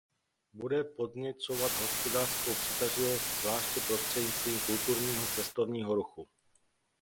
Bude podněcovat hospodářskou přitažlivost, zvláště prostřednictvím kulturního cestovního ruchu.